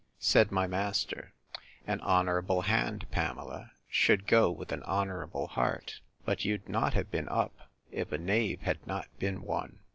Said my master, An honourable hand, Pamela, should go with an honourable heart; but you'd not have been up, if a knave had not been one.